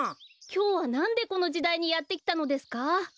きょうはなんでこのじだいにやってきたのですか？